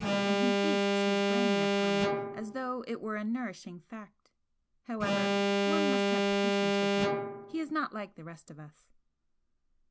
and he feasts his brain upon it as though it were a nourishing fact. However, one must have patience with him he is not like the rest of us."